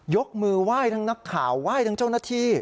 ยกมือไหว้ทั้งนักข่าวไหว้ทั้งเจ้าหน้าที่